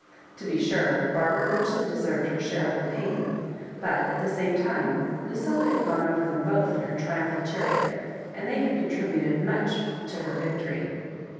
To be sure, Barbara richly deserved her share of the pain ; .but at the same time Lucilla had gone over them, both in her tri umphal chariot, and they had contributed much to her victory.